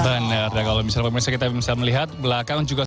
benar ya kalau misalnya pak menteri kita bisa melihat belakang juga